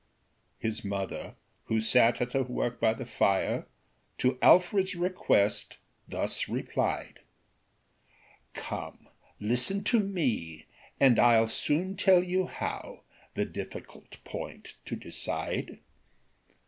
His mother, who sat at her work by the fire, To Alfred's request thus replied: "Come, listen to me, and I'll soon tell you how, The difficult point to decide.